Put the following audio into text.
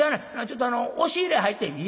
ちょっと押し入れ入ってみ」。